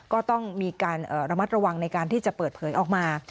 ก็ต้องมีการระมัดระวังในการที่จะเปิดเผยออกมา